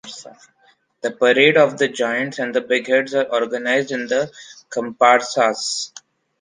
The parade of giants and bigheads are organized in “comparsas”.